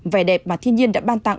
vẻ đẹp mà thiên nhiên đã ban tặng